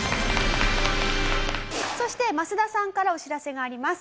そして増田さんからお知らせがあります。